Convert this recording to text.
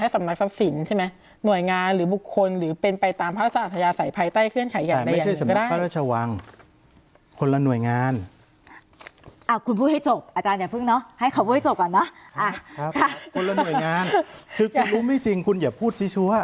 สมัยงานคือคุณรู้ไม่จริงคุณอย่าพูดซิชั่ว